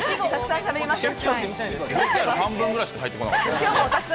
ＶＴＲ半分くらいしか入ってこなかった。